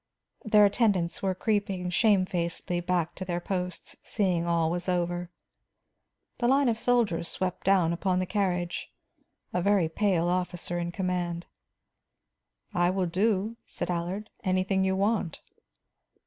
Their attendants were creeping shamefacedly back to their posts, seeing all was over. The line of soldiers swept down upon the carriage, a very pale officer in command. "I will do," said Allard, "anything you want."